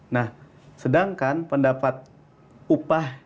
nah sedangkan pendapat upah